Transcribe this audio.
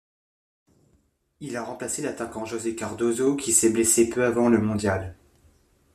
Il a remplacé l'attaquant José Cardozo qui s'est blessé peu avant le Mondial.